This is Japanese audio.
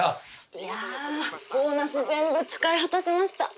いやボーナス全部使い果たしました。